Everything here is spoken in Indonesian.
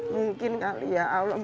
mungkin kali ya allah